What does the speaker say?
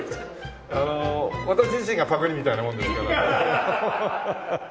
あの私自身がパクリみたいなもんですから。